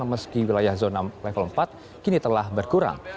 meski wilayah zona level empat kini telah berkurang